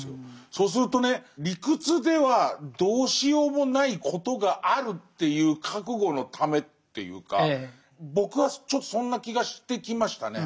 そうするとね理屈ではどうしようもないことがあるっていう覚悟のためっていうか僕はちょっとそんな気がしてきましたね。